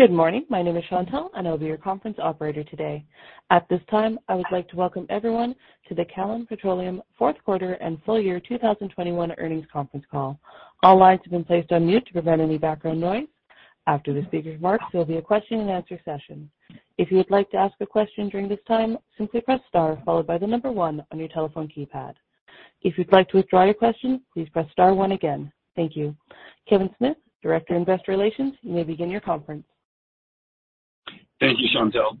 Good morning. My name is Chantelle, and I'll be your conference operator today. At this time, I would like to welcome everyone to the Callon Petroleum fourth quarter and full year 2021 earnings conference call. All lines have been placed on mute to prevent any background noise. After the speaker marks, there'll be a question and answer session. If you would like to ask a question during this time, simply press star followed by the number one on your telephone keypad. If you'd like to withdraw your question, please press star one again. Thank you. Kevin Smith, Director, Investor Relations, you may begin your conference. Thank you, Chantelle.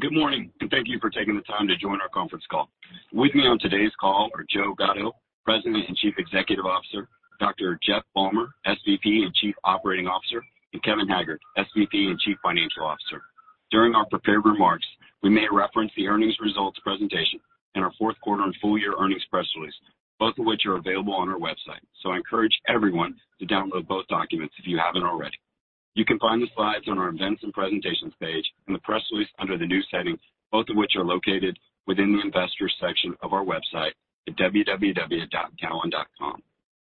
Good morning, and thank you for taking the time to join our conference call. With me on today's call are Joe Gatto, President and Chief Executive Officer, Dr. Jeff Balmer, SVP and Chief Operating Officer, and Kevin Haggard, SVP and Chief Financial Officer. During our prepared remarks, we may reference the earnings results presentation and our fourth quarter and full year earnings press release, both of which are available on our website. I encourage everyone to download both documents if you haven't already. You can find the slides on our Events and Presentations page and the press release under the News section, both of which are located within the Investors section of our website at www.callon.com.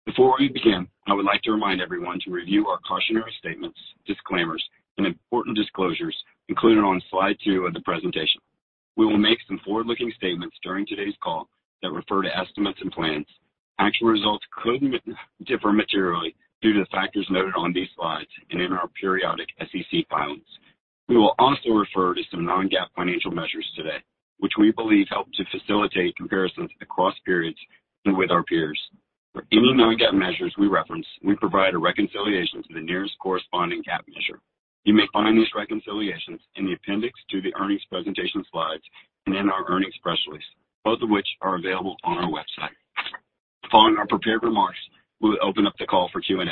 Before we begin, I would like to remind everyone to review our cautionary statements, disclaimers, and important disclosures included on slide two of the presentation. We will make some forward-looking statements during today's call that refer to estimates and plans. Actual results could differ materially due to the factors noted on these slides and in our periodic SEC filings. We will also refer to some non-GAAP financial measures today, which we believe help to facilitate comparisons across periods and with our peers. For any non-GAAP measures we reference, we provide a reconciliation to the nearest corresponding GAAP measure. You may find these reconciliations in the appendix to the earnings presentation slides and in our earnings press release, both of which are available on our website. Following our prepared remarks, we'll open up the call for Q&A.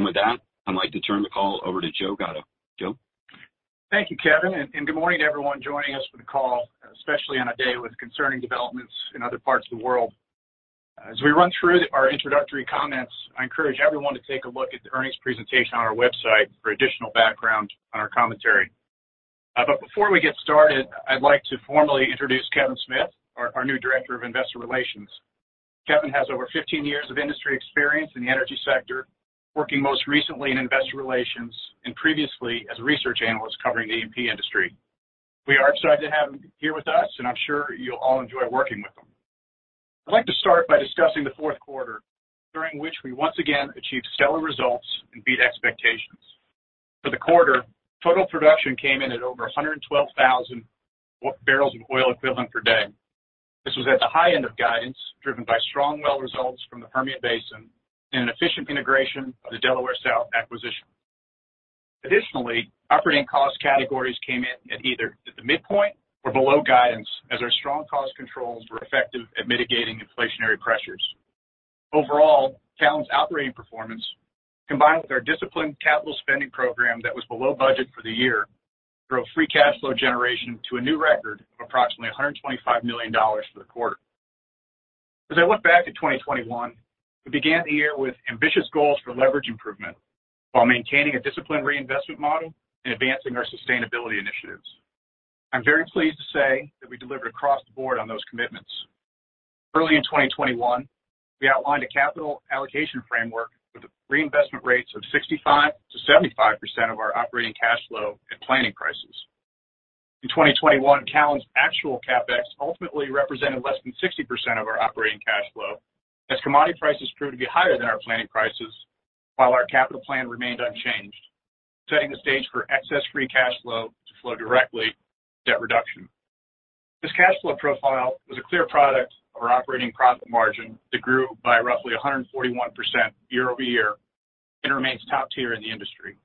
With that, I'd like to turn the call over to Joe Gatto. Joe. Thank you, Kevin, and good morning to everyone joining us for the call, especially on a day with concerning developments in other parts of the world. As we run through our introductory comments, I encourage everyone to take a look at the earnings presentation on our website for additional background on our commentary. Before we get started, I'd like to formally introduce Kevin Smith, our new Director of Investor Relations. Kevin has over 15 years of industry experience in the energy sector, working most recently in investor relations and previously as a research analyst covering the E&P industry. We are excited to have him here with us, and I'm sure you'll all enjoy working with him. I'd like to start by discussing the fourth quarter, during which we once again achieved stellar results and beat expectations. For the quarter, total production came in at over 112,000 barrels of oil equivalent per day. This was at the high end of guidance, driven by strong well results from the Permian Basin and an efficient integration of the Delaware South acquisition. Additionally, operating cost categories came in at either the midpoint or below guidance as our strong cost controls were effective at mitigating inflationary pressures. Overall, Callon's operating performance, combined with our disciplined capital spending program that was below budget for the year, drove free cash flow generation to a new record of approximately $125 million for the quarter. As I look back at 2021, we began the year with ambitious goals for leverage improvement while maintaining a disciplined reinvestment model and advancing our sustainability initiatives. I'm very pleased to say that we delivered across the board on those commitments. Early in 2021, we outlined a capital allocation framework with the reinvestment rates of 65%-75% of our operating cash flow at planning prices. In 2021, Callon's actual CapEx ultimately represented less than 60% of our operating cash flow as commodity prices proved to be higher than our planning prices while our capital plan remained unchanged, setting the stage for excess free cash flow to flow directly to debt reduction. This cash flow profile was a clear product of our operating profit margin that grew by roughly 141% year-over-year and remains top tier in the industry.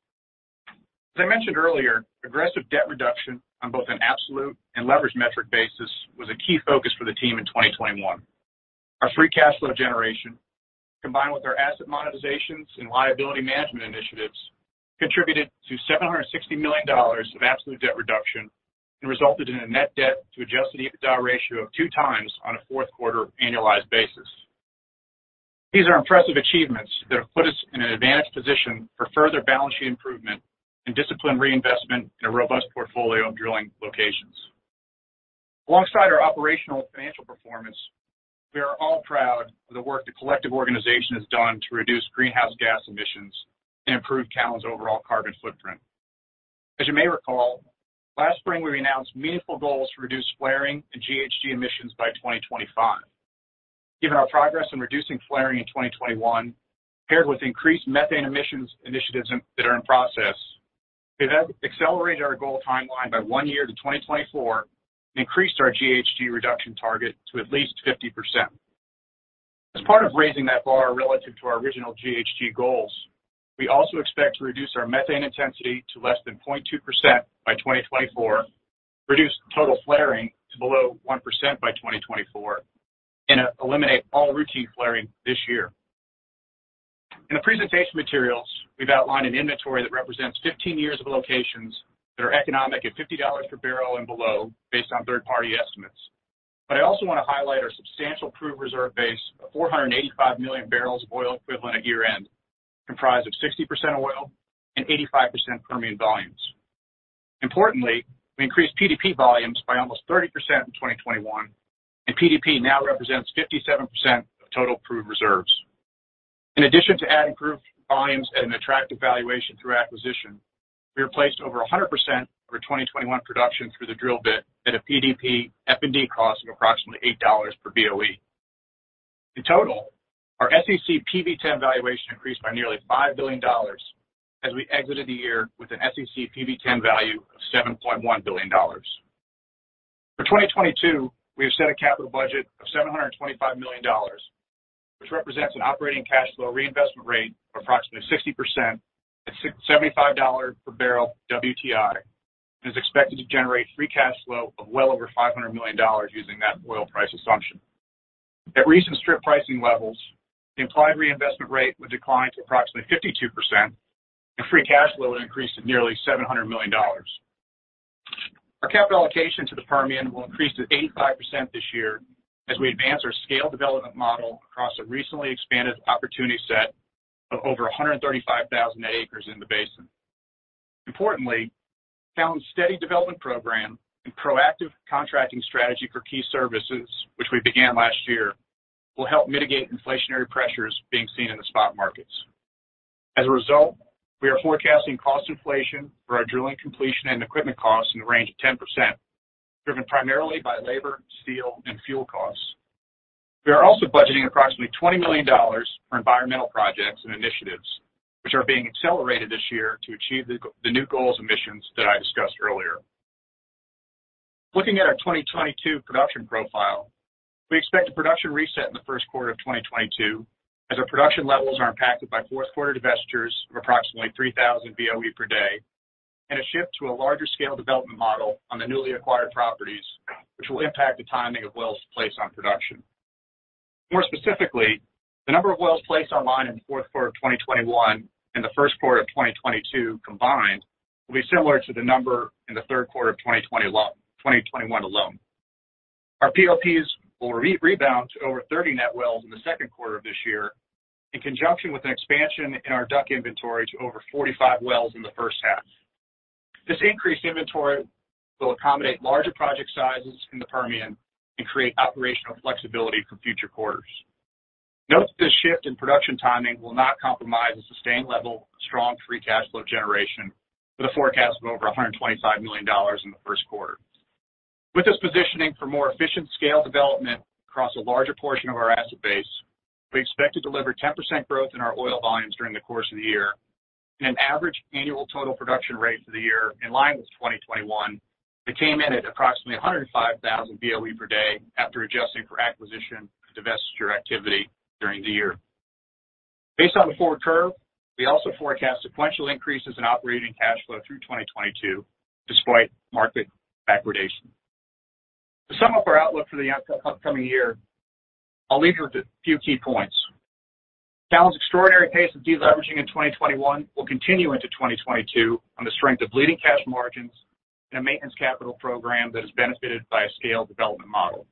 As I mentioned earlier, aggressive debt reduction on both an absolute and leverage metric basis was a key focus for the team in 2021. Our free cash flow generation, combined with our asset monetizations and liability management initiatives, contributed to $760 million of absolute debt reduction and resulted in a net debt to adjusted EBITDA ratio of 2x on a fourth quarter annualized basis. These are impressive achievements that have put us in an advantaged position for further balance sheet improvement and disciplined reinvestment in a robust portfolio of drilling locations. Alongside our operational financial performance, we are all proud of the work the collective organization has done to reduce greenhouse gas emissions and improve Callon's overall carbon footprint. As you may recall, last spring, we announced meaningful goals to reduce flaring and GHG emissions by 2025. Given our progress in reducing flaring in 2021, paired with increased methane emissions initiatives that are in process, we have accelerated our goal timeline by one year to 2024, increased our GHG reduction target to at least 50%. As part of raising that bar relative to our original GHG goals, we also expect to reduce our methane intensity to less than 0.2% by 2024, reduce total flaring to below 1% by 2024, and eliminate all routine flaring this year. In the presentation materials, we've outlined an inventory that represents 15 years of locations that are economic at $50 per barrel and below based on third-party estimates. I also wanna highlight our substantial proved reserve base of 485 million barrels of oil equivalent at year-end, comprised of 60% oil and 85% Permian volumes. Importantly, we increased PDP volumes by almost 30% in 2021, and PDP now represents 57% of total proved reserves. In addition to adding proved volumes at an attractive valuation through acquisition, we replaced over 100% of our 2021 production through the drill bit at a PDP F&D cost of approximately $8 per BOE. In total, our SEC PV-10 valuation increased by nearly $5 billion as we exited the year with an SEC PV-10 value of $7.1 billion. For 2022, we have set a capital budget of $725 million, which represents an operating cash flow reinvestment rate of approximately 60% at $75 per barrel WTI, and is expected to generate free cash flow of well over $500 million using that oil price assumption. At recent strip pricing levels, the implied reinvestment rate would decline to approximately 52% and free cash flow would increase to nearly $700 million. Our capital allocation to the Permian will increase to 85% this year as we advance our scale development model across a recently expanded opportunity set of over 135,000 net acres in the basin. Importantly, Callon's steady development program and proactive contracting strategy for key services, which we began last year, will help mitigate inflationary pressures being seen in the spot markets. As a result, we are forecasting cost inflation for our drilling completion and equipment costs in the range of 10%, driven primarily by labor, steel, and fuel costs. We are also budgeting approximately $20 million for environmental projects and initiatives, which are being accelerated this year to achieve the new goals and missions that I discussed earlier. Looking at our 2022 production profile, we expect a production reset in the first quarter of 2022, as our production levels are impacted by fourth quarter divestitures of approximately 3,000 BOE per day, and a shift to a larger scale development model on the newly acquired properties, which will impact the timing of wells placed on production. More specifically, the number of wells placed online in the fourth quarter of 2021 and the first quarter of 2022 combined will be similar to the number in the third quarter of 2021 alone. Our POPs will rebound to over 30 net wells in the second quarter of this year in conjunction with an expansion in our DUC inventory to over 45 wells in the first half. This increased inventory will accommodate larger project sizes in the Permian and create operational flexibility for future quarters. Note that this shift in production timing will not compromise a sustained level of strong free cash flow generation with a forecast of over $125 million in the first quarter. With this positioning for more efficient scale development across a larger portion of our asset base, we expect to deliver 10% growth in our oil volumes during the course of the year and an average annual total production rate for the year in line with 2021 that came in at approximately 105,000 BOE per day after adjusting for acquisition and divestiture activity during the year. Based on the forward curve, we also forecast sequential increases in operating cash flow through 2022 despite market backwardation. To sum up our outlook for the upcoming year, I'll leave you with a few key points. Callon's extraordinary pace of deleveraging in 2021 will continue into 2022 on the strength of leading cash margins and a maintenance capital program that is benefited by a scale development model.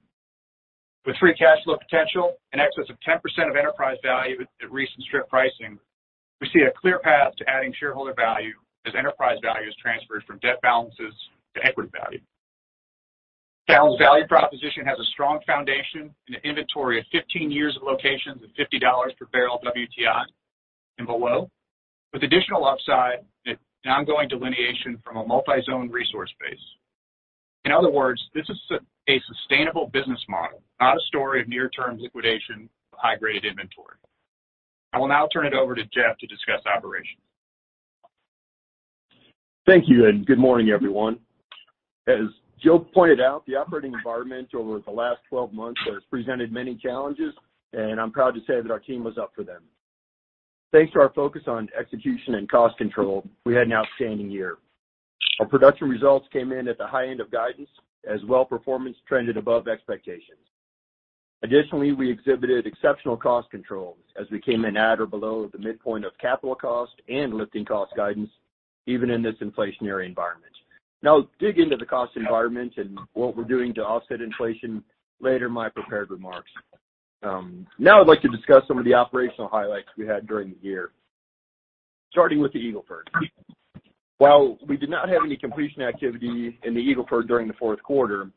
With free cash flow potential in excess of 10% of enterprise value at recent strip pricing, we see a clear path to adding shareholder value as enterprise value is transferred from debt balances to equity value. Callon's value proposition has a strong foundation and an inventory of 15 years of locations and $50 per barrel WTI and below, with additional upside with an ongoing delineation from a multi-zone resource base. In other words, this is a sustainable business model, not a story of near-term liquidation of high-grade inventory. I will now turn it over to Jeff to discuss operations. Thank you, and good morning, everyone. As Joe pointed out, the operating environment over the last 12 months has presented many challenges, and I'm proud to say that our team was up for them. Thanks to our focus on execution and cost control, we had an outstanding year. Our production results came in at the high end of guidance as well performance trended above expectations. Additionally, we exhibited exceptional cost controls as we came in at or below the midpoint of capital cost and lifting cost guidance, even in this inflationary environment. Now, I'll dig into the cost environment and what we're doing to offset inflation later in my prepared remarks. Now I'd like to discuss some of the operational highlights we had during the year, starting with the Eagle Ford. While we did not have any completion activity in the Eagle Ford during the fourth quarter,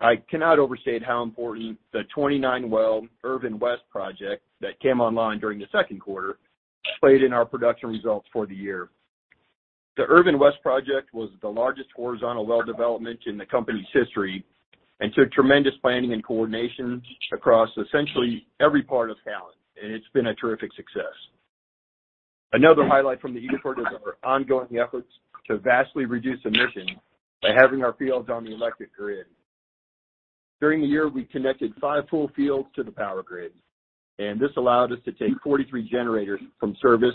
I cannot overstate how important the 29-well Irvin West project that came online during the second quarter played in our production results for the year. The Irvin West project was the largest horizontal well development in the company's history and took tremendous planning and coordination across essentially every part of Callon, and it's been a terrific success. Another highlight from the Eagle Ford is our ongoing efforts to vastly reduce emissions by having our fields on the electric grid. During the year, we connected five full fields to the power grid, and this allowed us to take 43 generators from service,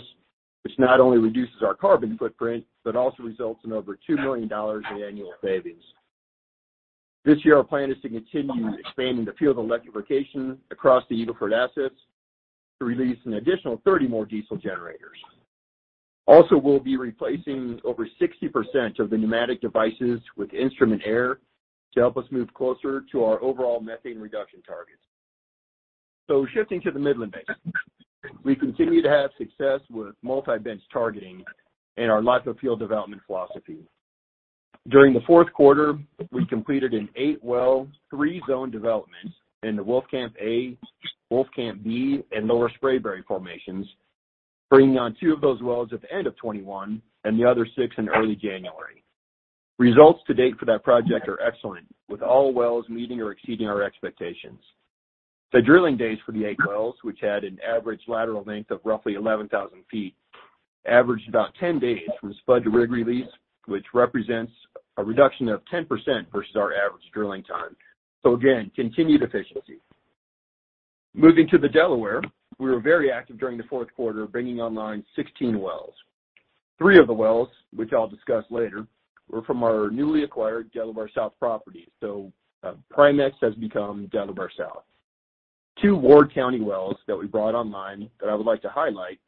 which not only reduces our carbon footprint, but also results in over $2 million in annual savings. This year, our plan is to continue expanding the field electrification across the Eagle Ford assets to release an additional 30 more diesel generators. Also, we'll be replacing over 60% of the pneumatic devices with instrument air to help us move closer to our overall methane reduction targets. Shifting to the Midland Basin, we continue to have success with multi-bench targeting and our life of field development philosophy. During the fourth quarter, we completed an eight-well, three-zone development in the Wolfcamp A, Wolfcamp B, and Lower Spraberry formations, bringing on two of those wells at the end of 2021 and the other six in early January. Results to date for that project are excellent, with all wells meeting or exceeding our expectations. The drilling days for the eight wells, which had an average lateral length of roughly 11,000 ft, averaged about 10 days from spud to rig release, which represents a reduction of 10% versus our average drilling time. Again, continued efficiency. Moving to the Delaware, we were very active during the fourth quarter, bringing online 16 wells. Three of the wells, which I'll discuss later, were from our newly acquired Delaware South properties. Primexx has become Delaware South. Two Ward County wells that we brought online that I would like to highlight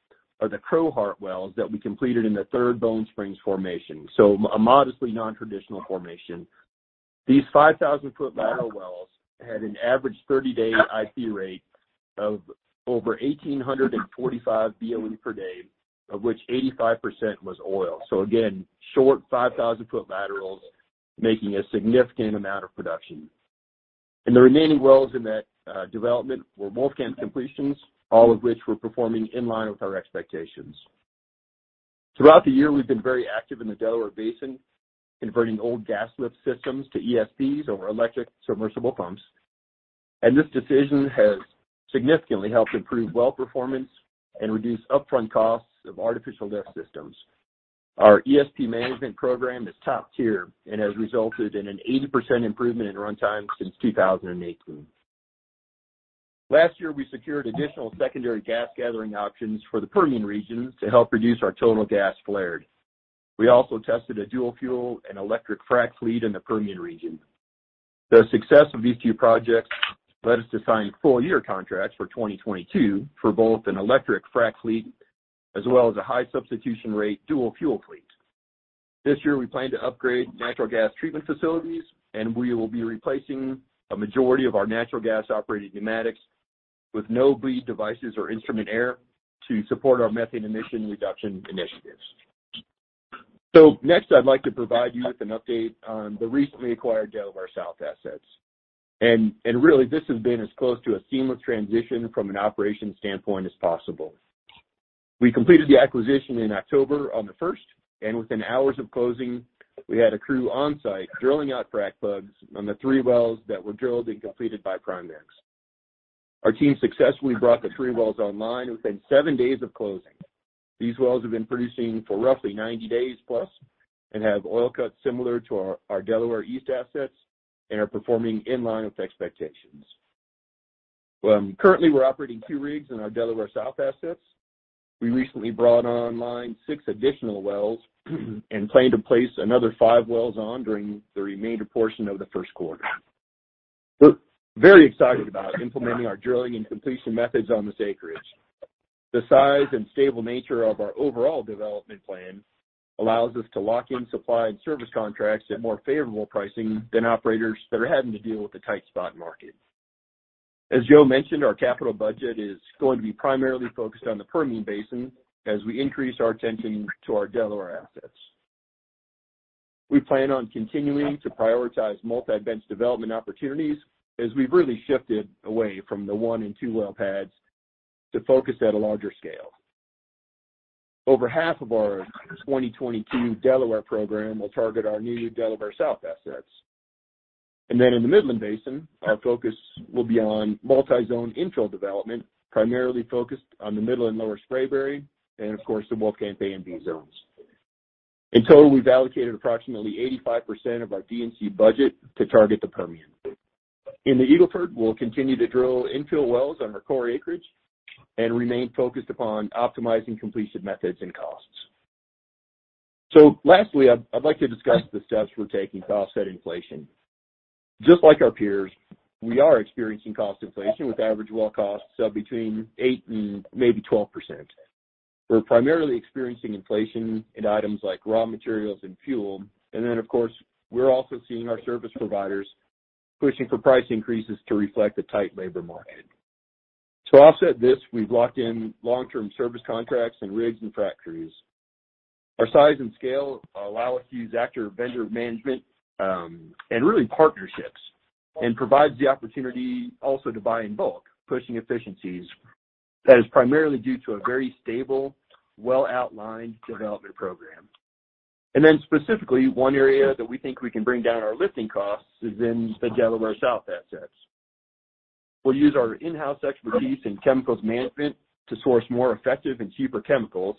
are the Crowheart wells that we completed in the Third Bone Spring Formation, a modestly non-traditional formation. These 5,000 ft lateral wells had an average 30-day IP rate of over 1,845 BOE per day, of which 85% was oil. Again, short 5,000 ft laterals making a significant amount of production. The remaining wells in that development were Wolfcamp completions, all of which were performing in line with our expectations. Throughout the year, we've been very active in the Delaware Basin, converting old gas lift systems to ESPs or electric submersible pumps. This decision has significantly helped improve well performance and reduce upfront costs of artificial lift systems. Our ESP management program is top-tier and has resulted in an 80% improvement in runtime since 2018. Last year, we secured additional secondary gas gathering options for the Permian region to help reduce our total gas flared. We also tested a dual fuel and electric frack fleet in the Permian region. The success of these two projects led us to sign full year contracts for 2022 for both an electric frack fleet, as well as a high substitution rate dual fuel fleet. This year, we plan to upgrade natural gas treatment facilities, and we will be replacing a majority of our natural gas operating pneumatics with no bleed devices or instrument air to support our methane emission reduction initiatives. Next, I'd like to provide you with an update on the recently acquired Delaware South assets. Really, this has been as close to a seamless transition from an operations standpoint as possible. We completed the acquisition in October 1st, and within hours of closing, we had a crew on-site drilling out frack plugs on the three wells that were drilled and completed by Primexx. Our team successfully brought the three wells online within seven days of closing. These wells have been producing for roughly 90 days plus and have oil cuts similar to our Delaware East assets and are performing in line with expectations. Currently, we're operating two rigs in our Delaware South assets. We recently brought online six additional wells and plan to place another five wells on during the remainder portion of the first quarter. We're very excited about implementing our drilling and completion methods on this acreage. The size and stable nature of our overall development plan allows us to lock in supply and service contracts at more favorable pricing than operators that are having to deal with a tight spot market. As Joe mentioned, our capital budget is going to be primarily focused on the Permian Basin as we increase our attention to our Delaware assets. We plan on continuing to prioritize multi-bench development opportunities as we've really shifted away from the one and two well pads to focus at a larger scale. Over half of our 2022 Delaware program will target our new Delaware South assets. In the Midland Basin, our focus will be on multi-zone infill development, primarily focused on the Middle and Lower Spraberry and of course, the Wolfcamp A and B zones. In total, we've allocated approximately 85% of our D&C budget to target the Permian. In the Eagle Ford, we'll continue to drill infill wells on our core acreage and remain focused upon optimizing completion methods and costs. Lastly, I'd like to discuss the steps we're taking to offset inflation. Just like our peers, we are experiencing cost inflation with average well costs up between 8% and maybe 12%. We're primarily experiencing inflation in items like raw materials and fuel. Of course, we're also seeing our service providers pushing for price increases to reflect the tight labor market. To offset this, we've locked in long-term service contracts and rigs and frac crews. Our size and scale allow us to use active vendor management, and really partnerships, and provides the opportunity also to buy in bulk, pushing efficiencies that is primarily due to a very stable, well-outlined development program. Specifically, one area that we think we can bring down our lifting costs is in the Delaware South assets. We'll use our in-house expertise in chemicals management to source more effective and cheaper chemicals,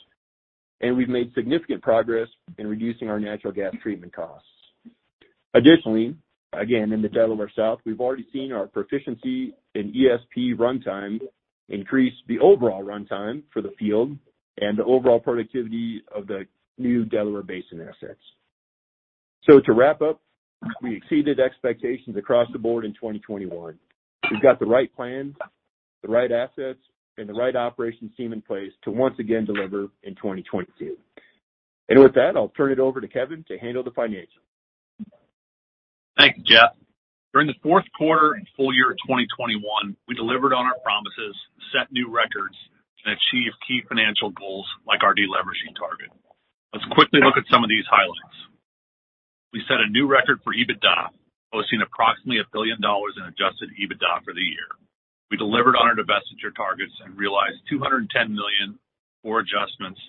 and we've made significant progress in reducing our natural gas treatment costs. Additionally, again, in the Delaware South, we've already seen our proficiency in ESP runtime increase the overall runtime for the field and the overall productivity of the new Delaware Basin assets. To wrap up, we exceeded expectations across the board in 2021. We've got the right plan, the right assets, and the right operations team in place to once again deliver in 2022. With that, I'll turn it over to Kevin to handle the financials. Thanks, Jeff. During the fourth quarter and full year of 2021, we delivered on our promises, set new records, and achieved key financial goals like our deleveraging target. Let's quickly look at some of these highlights. We set a new record for EBITDA, posting approximately $1 billion in adjusted EBITDA for the year. We delivered on our divestiture targets and realized $210 million for adjustments.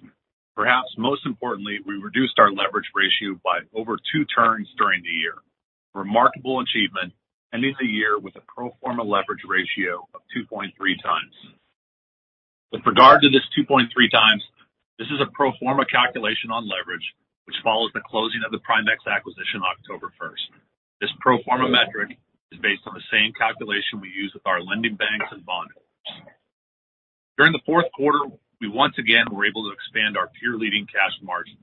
Perhaps most importantly, we reduced our leverage ratio by over two turns during the year. Remarkable achievement, ending the year with a pro forma leverage ratio of 2.3x. With regard to this 2.3x, this is a pro forma calculation on leverage, which follows the closing of the Primexx acquisition October 1st. This pro forma metric is based on the same calculation we use with our lending banks and bondholders. During the fourth quarter, we once again were able to expand our peer-leading cash margins.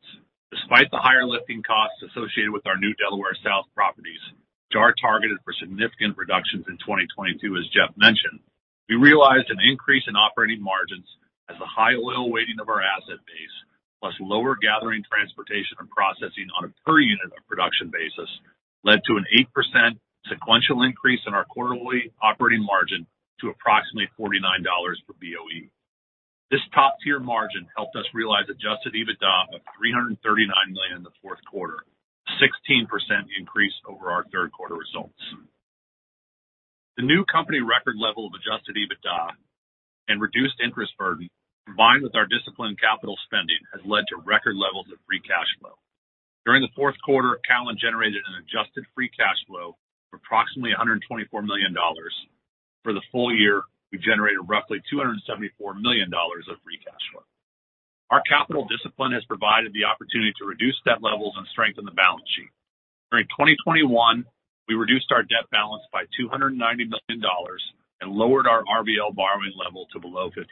Despite the higher lifting costs associated with our new Delaware South properties, which are targeted for significant reductions in 2022, as Jeff mentioned, we realized an increase in operating margins as the high oil weighting of our asset base, plus lower gathering, transportation, and processing on a per unit of production basis led to an 8% sequential increase in our quarterly operating margin to approximately $49 per BOE. This top-tier margin helped us realize adjusted EBITDA of $339 million in the fourth quarter, 16% increase over our third quarter results. The new company record level of adjusted EBITDA and reduced interest burden, combined with our disciplined capital spending, has led to record levels of free cash flow. During the fourth quarter, Callon generated an adjusted free cash flow of approximately $124 million. For the full year, we generated roughly $274 million of free cash flow. Our capital discipline has provided the opportunity to reduce debt levels and strengthen the balance sheet. During 2021, we reduced our debt balance by $290 million and lowered our RBL borrowing level to below 50%. If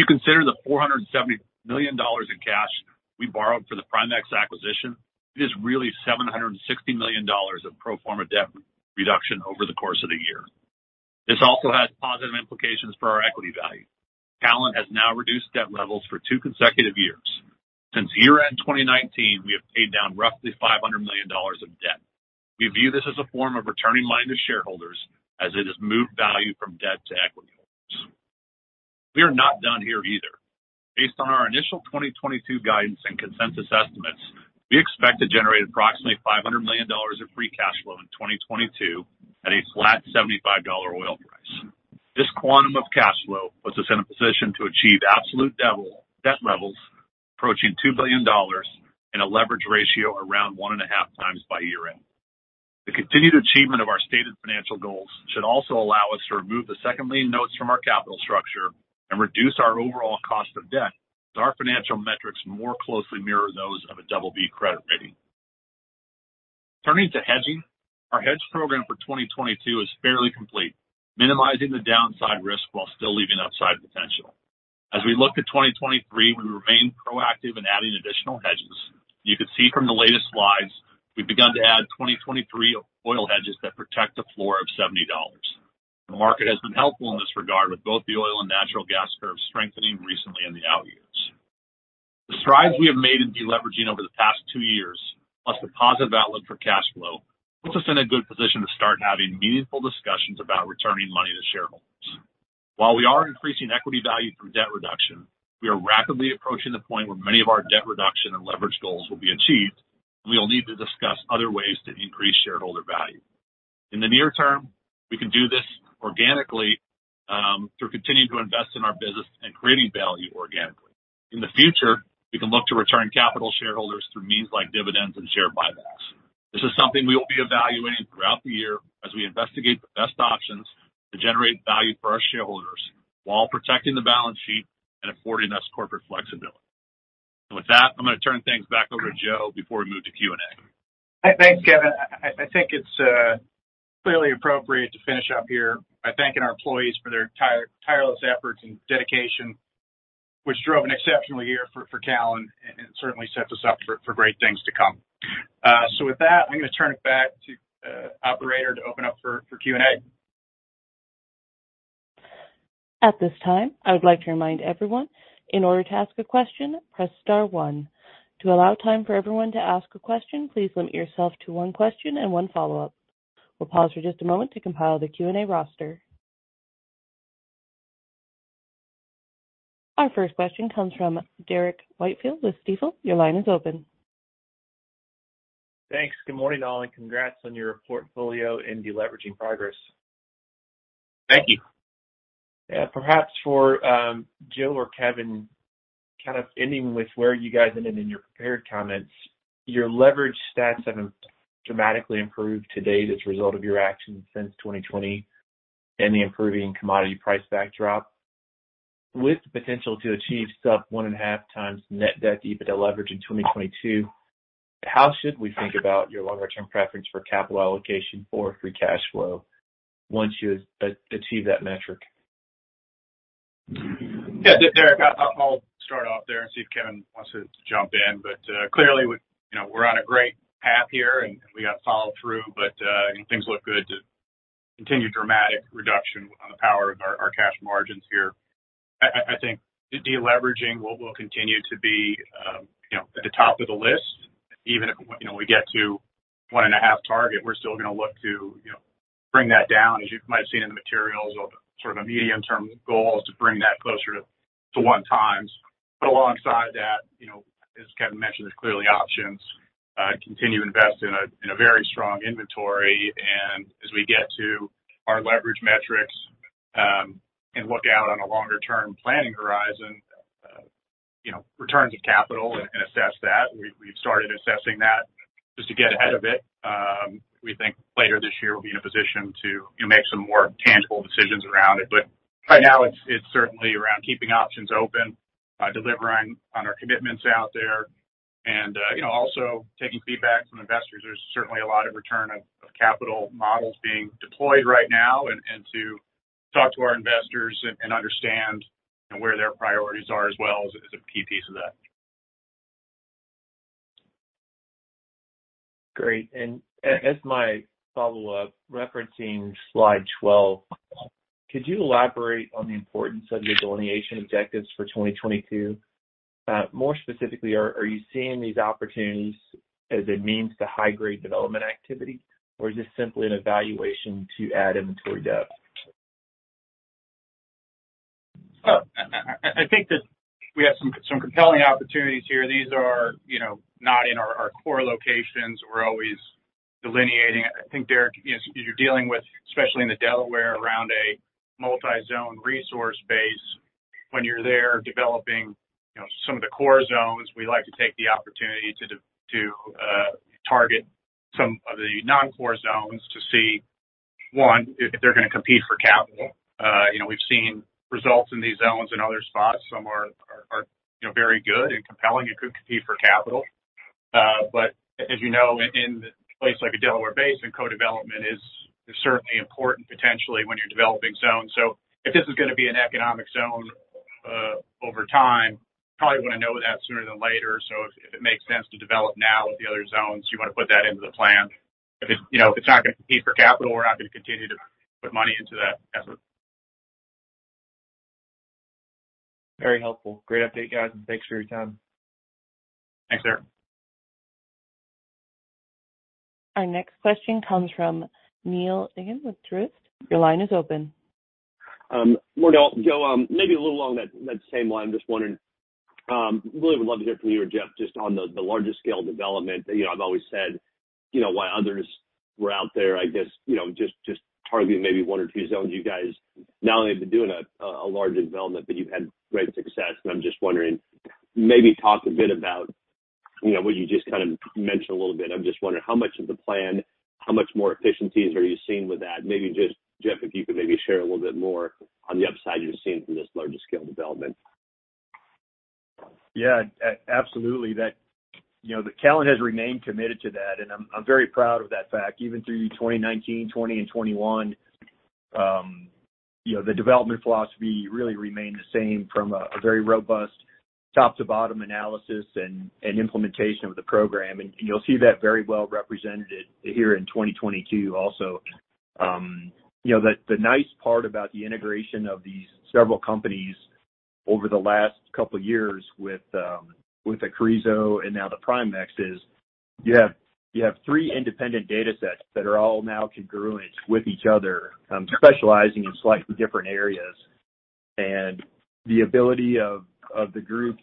you consider the $470 million in cash we borrowed for the Primexx acquisition, it is really $760 million of pro forma debt reduction over the course of the year. This also has positive implications for our equity value. Callon has now reduced debt levels for two consecutive years. Since year-end 2019, we have paid down roughly $500 million of debt. We view this as a form of returning money to shareholders as it has moved value from debt to equity. We are not done here either. Based on our initial 2022 guidance and consensus estimates, we expect to generate approximately $500 million of free cash flow in 2022 at a flat $75 oil price. This quantum of cash flow puts us in a position to achieve absolute debt levels approaching $2 billion and a leverage ratio around 1.5x by year-end. The continued achievement of our stated financial goals should also allow us to remove the second lien notes from our capital structure and reduce our overall cost of debt as our financial metrics more closely mirror those of a BB credit rating. Turning to hedging. Our hedge program for 2022 is fairly complete, minimizing the downside risk while still leaving upside potential. As we look to 2023, we remain proactive in adding additional hedges. You can see from the latest slides, we've begun to add 2023 oil hedges that protect the floor of $70. The market has been helpful in this regard with both the oil and natural gas curves strengthening recently in the out years. The strides we have made in deleveraging over the past two years, plus the positive outlook for cash flow, puts us in a good position to start having meaningful discussions about returning money to shareholders. While we are increasing equity value through debt reduction, we are rapidly approaching the point where many of our debt reduction and leverage goals will be achieved, and we will need to discuss other ways to increase shareholder value. In the near term, we can do this organically, through continuing to invest in our business and creating value organically. In the future, we can look to return capital to shareholders through means like dividends and share buybacks. This is something we will be evaluating throughout the year as we investigate the best options to generate value for our shareholders while protecting the balance sheet and affording us corporate flexibility. With that, I'm gonna turn things back over to Joe before we move to Q&A. Thanks, Kevin. I think it's clearly appropriate to finish up here by thanking our employees for their tireless efforts and dedication, which drove an exceptional year for Callon and certainly sets us up for great things to come. With that, I'm gonna turn it back to operator to open up for Q&A. At this time, I would like to remind everyone, in order to ask a question, press star one. To allow time for everyone to ask a question, please limit yourself to one question and one follow-up. We'll pause for just a moment to compile the Q&A roster. Our first question comes from Derrick Whitfield with Stifel. Your line is open. Thanks. Good morning, all, and congrats on your portfolio and deleveraging progress. Thank you. Yeah, perhaps for Joe or Kevin, kind of ending with where you guys ended in your prepared comments. Your leverage stats have dramatically improved to date as a result of your actions since 2020 and the improving commodity price backdrop. With the potential to achieve sub 1.5x net debt EBITDA leverage in 2022, how should we think about your longer-term preference for capital allocation for free cash flow once you achieve that metric? Derrick, I'll start off there and see if Kevin wants to jump in. Clearly, you know, we're on a great path here and we got to follow through. Things look good to continue dramatic reduction on the power of our cash margins here. I think deleveraging will continue to be you know at the top of the list. Even if you know, we get to 1.5x target, we're still gonna look to you know bring that down. As you might have seen in the materials of sort of a medium-term goal is to bring that closer to 1x. Alongside that, you know, as Kevin mentioned, there's clearly options to continue to invest in a very strong inventory. As we get to our leverage metrics and look out on a longer-term planning horizon, you know, returns of capital and assess that. We've started assessing that just to get ahead of it. We think later this year we'll be in a position to, you know, make some more tangible decisions around it. But right now it's certainly around keeping options open, delivering on our commitments out there and, you know, also taking feedback from investors. There's certainly a lot of return of capital models being deployed right now and to talk to our investors and understand where their priorities are as well is a key piece of that. Great. As my follow-up, referencing slide 12, could you elaborate on the importance of your delineation objectives for 2022? More specifically, are you seeing these opportunities as a means to high grade development activity or is this simply an evaluation to add inventory depth? I think that we have some compelling opportunities here. These are, you know, not in our core locations we're always delineating. I think, Derrick, you know, you're dealing with, especially in the Delaware around a multi-zone resource base. When you're there developing, you know, some of the core zones, we like to take the opportunity to target some of the non-core zones to see, one, if they're gonna compete for capital. You know, we've seen results in these zones in other spots. Some are, you know, very good and compelling and could compete for capital. As you know, in a place like the Delaware Basin, co-development is certainly important potentially when you're developing zones. If this is gonna be an economic zone, over time, probably wanna know that sooner than later. If it makes sense to develop now with the other zones, you wanna put that into the plan. If it's, you know, not gonna compete for capital, we're not gonna continue to put money into that asset. Very helpful. Great update, guys, and thanks for your time. Thanks, Derrick. Our next question comes from Neal Dingmann with Truist. Your line is open. Good morning all. Joe, maybe a little along that same line. Just wondering, really would love to hear from you or Jeff just on the larger scale development. You know, I've always said, you know, while others were out there, I guess, you know, just targeting maybe one or two zones, you guys not only have been doing a large development, but you've had great success. I'm just wondering, maybe talk a bit about, you know, what you just kind of mentioned a little bit. I'm just wondering how much of the plan, how much more efficiencies are you seeing with that? Maybe just Jeff, if you could maybe share a little bit more on the upside you're seeing from this larger scale development. Yeah, absolutely. You know, Callon has remained committed to that, and I'm very proud of that fact. Even through 2019, 2020 and 2021, you know, the development philosophy really remained the same from a very robust top to bottom analysis and implementation of the program. You'll see that very well represented here in 2022 also. You know, the nice part about the integration of these several companies over the last couple years with the Carrizo and now the Primexx is you have three independent data sets that are all now congruent with each other, specializing in slightly different areas. The ability of the group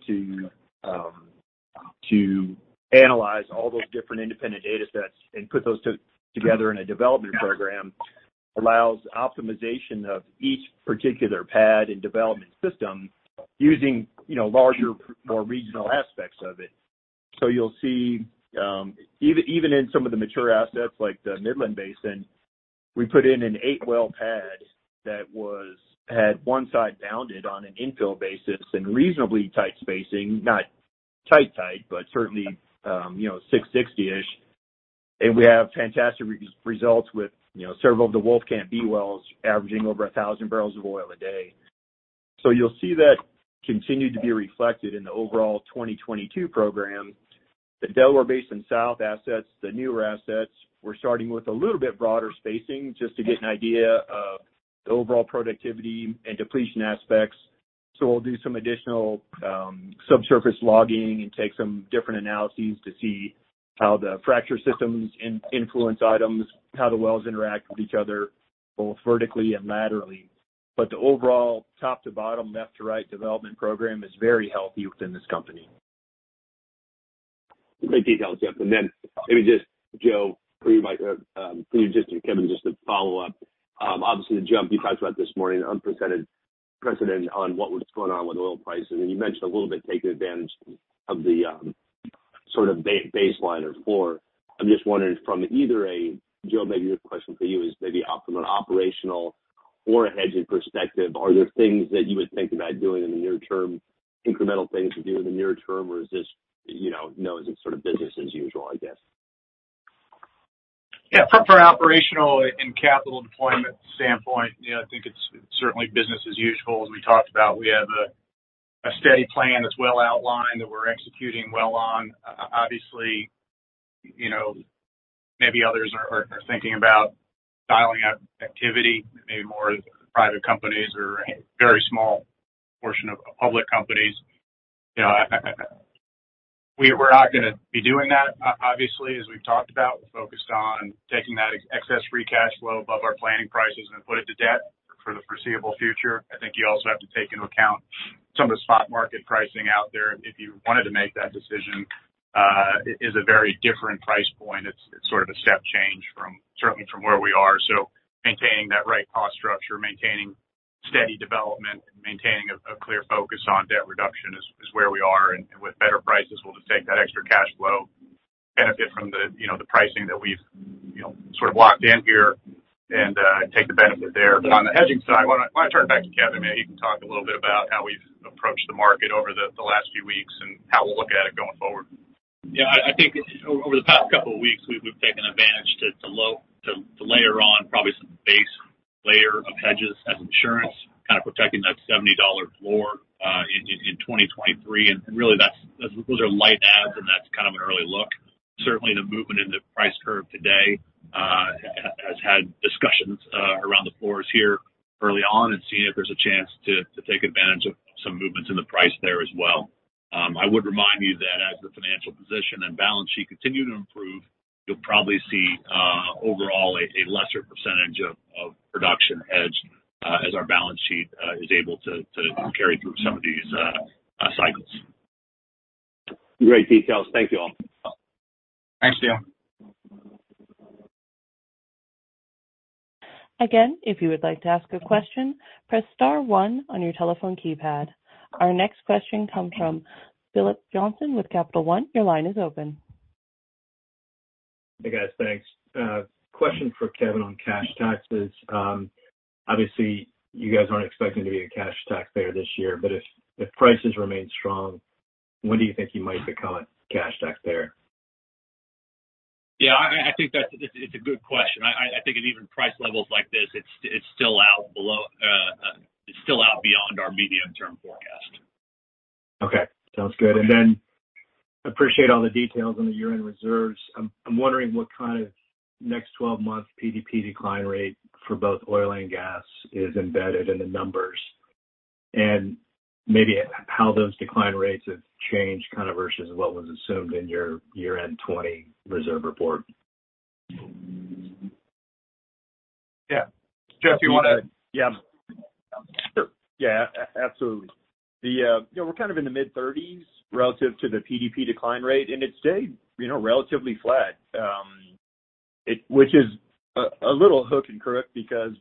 to analyze all those different independent data sets and put those together in a development program allows optimization of each particular pad and development system using, you know, larger, more regional aspects of it. You'll see even in some of the mature assets like the Midland Basin, we put in an eight-well pad that had one side bounded on an infill basis and reasonably tight spacing, not tight, but certainly, you know, $660-ish million. We have fantastic results with, you know, several of the Wolfcamp B wells averaging over 1,000 barrels of oil a day. You'll see that continue to be reflected in the overall 2022 program. The Delaware Basin South assets, the newer assets, we're starting with a little bit broader spacing just to get an idea of the overall productivity and depletion aspects. We'll do some additional subsurface logging and take some different analyses to see how the fracture systems influence it, how the wells interact with each other, both vertically and laterally. The overall top to bottom, left to right development program is very healthy within this company. Great details, Jeff. Then maybe just Joe, for you. Kevin, just to follow up. Obviously the jump you talked about this morning, unprecedented precedent on what was going on with oil prices. You mentioned a little bit taking advantage of the sort of baseline or floor. I'm just wondering, Joe, maybe this question for you, from an operational or a hedging perspective, are there things that you would think about doing in the near term, incremental things to do in the near term, or is it sort of business as usual, I guess? Yeah. From an operational and capital deployment standpoint, you know, I think it's certainly business as usual. As we talked about, we have a steady plan that's well outlined that we're executing well on. Obviously, you know, maybe others are thinking about dialing up activity, maybe more private companies or a very small portion of public companies. You know, we're not gonna be doing that. Obviously, as we've talked about, we're focused on taking that excess free cash flow above our planning prices and put it to debt for the foreseeable future. I think you also have to take into account some of the spot market pricing out there if you wanted to make that decision. It is a very different price point. It's sort of a step change from certainly from where we are. Maintaining that right cost structure, maintaining steady development, and maintaining a clear focus on debt reduction is where we are. And with better prices, we'll just take that extra cash flow, benefit from the, you know, the pricing that we've, you know, sort of locked in here and take the benefit there. But on the hedging side, why don't I wanna turn it back to Kevin. Maybe he can talk a little bit about how we've approached the market over the last few weeks and how we'll look at it going forward. Yeah. I think over the past couple of weeks, we've taken advantage to layer on probably some base layer of hedges as insurance, kind of protecting that $70 floor in 2023. Really those are light adds, and that's kind of an early look. Certainly, the movement in the price curve today has had discussions around the floors here early on and seeing if there's a chance to take advantage of some movements in the price there as well. I would remind you that as the financial position and balance sheet continue to improve, you'll probably see overall a lesser percentage of production hedged as our balance sheet is able to carry through some of these cycles. Great details. Thank you all. Thanks, Neal. Again, if you would like to ask a question, press star one on your telephone keypad. Our next question comes from Phillips Johnston with Capital One. Your line is open. Hey, guys. Thanks. Question for Kevin on cash taxes. Obviously, you guys aren't expecting to be a cash tax payer this year, but if prices remain strong, when do you think you might become a cash tax payer? Yeah, I think it's a good question. I think at even price levels like this, it's still out beyond our medium-term forecast. Okay. Sounds good. Appreciate all the details on the year-end reserves. I'm wondering what kind of next 12-month PDP decline rate for both oil and gas is embedded in the numbers, and maybe how those decline rates have changed kind of versus what was assumed in your year-end 2020 reserve report. Yeah. Jeff, you wanna. Yeah. Sure. Absolutely. You know, we're kind of in the mid-30s relative to the PDP decline rate. It stayed, you know, relatively flat, which is a little hook and crook because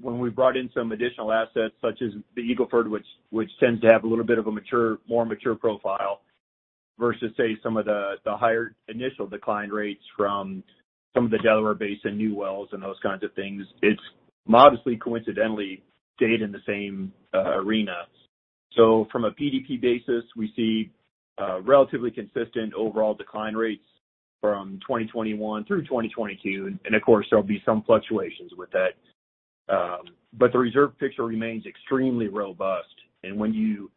when we brought in some additional assets, such as the Eagle Ford, which tends to have a little bit of a mature, more mature profile versus some of the higher initial decline rates from some of the Delaware Basin new wells and those kinds of things. It's modestly coincidentally stayed in the same arena. From a PDP basis, we see relatively consistent overall decline rates from 2021 through 2022. Of course, there'll be some fluctuations with that. But the reserve picture remains extremely robust. When you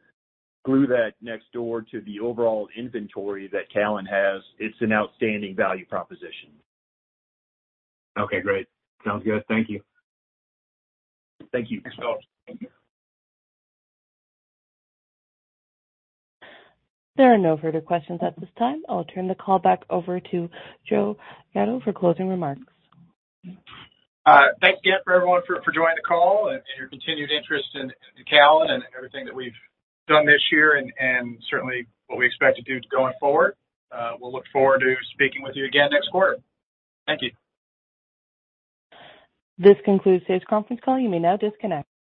glue that next door to the overall inventory that Callon has, it's an outstanding value proposition. Okay, great. Sounds good. Thank you. Thank you. Thanks, Phil. Thank you. There are no further questions at this time. I'll turn the call back over to Joe Gatto for closing remarks. Thank you again for everyone for joining the call and your continued interest in Callon and everything that we've done this year and certainly what we expect to do going forward. We'll look forward to speaking with you again next quarter. Thank you. This concludes today's conference call. You may now disconnect.